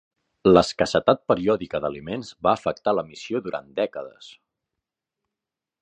L'escassetat periòdica d'aliments va afectar la missió durant dècades.